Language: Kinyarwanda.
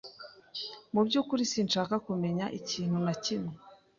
Mubyukuri, sinshaka kumenya ikintu na kimwe.